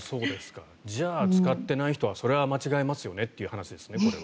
じゃあ、使ってない人はそれは間違えますよねっていう話ですよね。